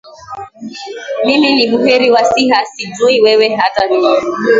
mimi ni buheri wa siha sijui wewe hata mimi